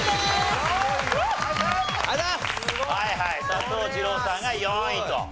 佐藤二朗さんが４位と。